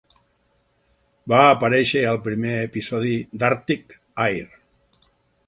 Va aparèixer al primer episodi d'"Arctic Air".